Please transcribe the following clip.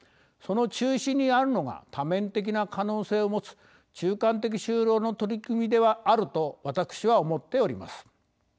その中心にあるのが多面的な可能性を持つ中間的就労の取り組みであると私は思っております。